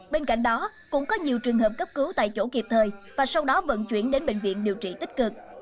bên cạnh đó cũng có nhiều trường hợp cấp cứu tại chỗ kịp thời và sau đó vận chuyển đến bệnh viện điều trị tích cực